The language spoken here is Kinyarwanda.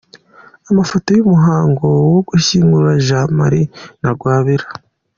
Amafoto y’umuhango wo gushyingura Jean Marie Ntagwabira.